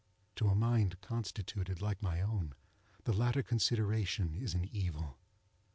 To a mind constituted like my own, the latter consideration is an evil.